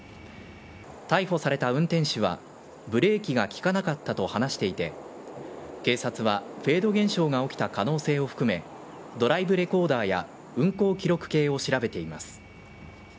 逮捕された運転手はブレーキが効かなかったと話していて警察はフェード現象が起きた可能性を含めドライブレコーダーや運行記録計を調べています。